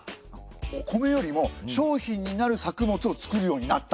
お米よりも商品になる作物を作るようになった？